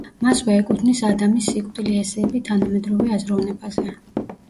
მასვე ეკუთვნის „ადამის სიკვდილი: ესეები თანამედროვე აზროვნებაზე“.